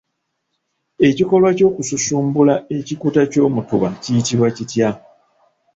Ekikolwa eky’okususumbula ekikuta ky’omutuba kiyitibwa kitya?